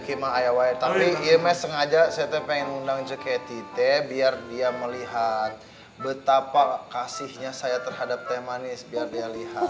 rezeki mah air air tapi iya mah sengaja saya pengen undangnya ke tite biar dia melihat betapa kasihnya saya terhadap teh manis biar dia lihat